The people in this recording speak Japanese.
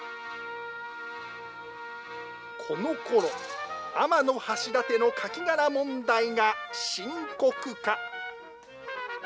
このころ、天橋立のカキ殻問題が深刻化。